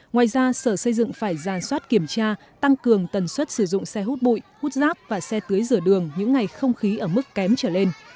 ngoài ra sở xây dựng phải ra soát kiểm tra tăng cường tần suất sử dụng xe hút bụi hút rác và xe tưới rửa đường những ngày không khí ở mức kém trở lên